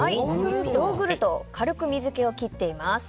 ヨーグルトを軽く水気を切っています。